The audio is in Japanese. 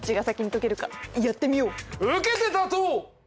受けて立とう！